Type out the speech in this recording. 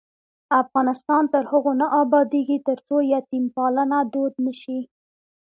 افغانستان تر هغو نه ابادیږي، ترڅو یتیم پالنه دود نشي.